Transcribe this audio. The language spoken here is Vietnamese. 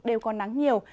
đều có nắng nhiều